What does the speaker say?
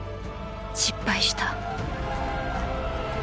失敗した。